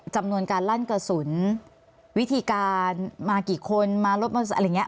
จำนวนการลั่นกระสุนวิธีการมากี่คนมารถอะไรอย่างนี้